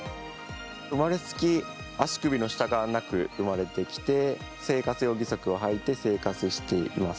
生まれつき、足首の下からなく生まれてきて生活用義足をはいて生活しています。